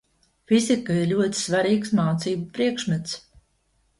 Fizika ir ļoti svarīgs mācību priekšmets.